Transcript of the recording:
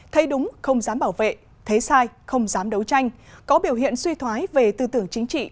thấy đúng không dám bảo vệ thấy sai không dám đấu tranh có biểu hiện suy thoái về tư tưởng chính trị